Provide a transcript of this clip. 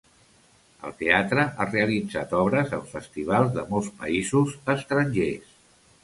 El teatre ha realitzat obres en festivals de molts països estrangers.